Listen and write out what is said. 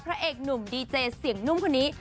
พระเอกหนุ่มดีเจเสียงนุ่มคนนี้